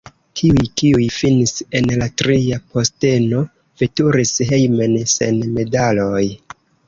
Tiuj, kiuj finis en la tria posteno, veturis hejmen sen medaloj.